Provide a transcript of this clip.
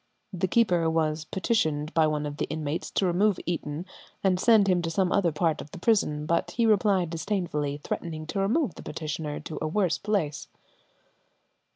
The keeper was petitioned by one of the inmates to remove Eaton and send him to some other part of the prison, but he replied disdainfully, threatening to remove the petitioner to a worse place.